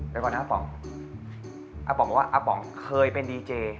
ก่อนหน้าป๋องอาป๋องบอกว่าอาป๋องเคยเป็นดีเจ